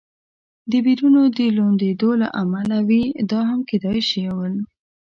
د وېرونو د لوندېدو له امله وي، دا هم کېدای شول.